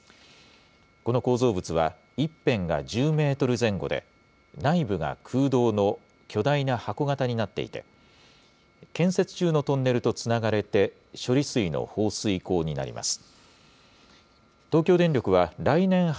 この構造物は１辺が１０メートル前後で、内部が空洞の巨大な箱形になっていて、建設中のトンネルとつながれて処理水の放水口になります。